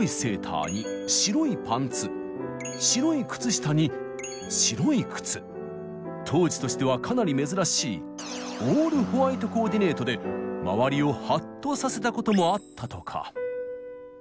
時には当時としてはかなり珍しい「オールホワイトコーディネート」で周りをはっとさせたこともあったとか。